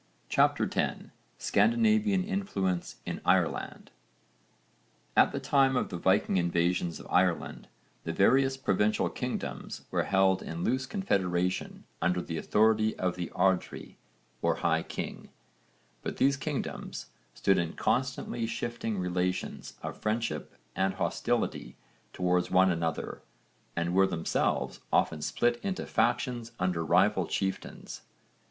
CHAPTER X SCANDINAVIAN INFLUENCE IN IRELAND At the time of the Viking invasion of Ireland the various provincial kingdoms were held in loose confederation under the authority of the ardrí or high king, but these kingdoms stood in constantly shifting relations of friendship and hostility towards one another, and were themselves often split into factions under rival chieftains.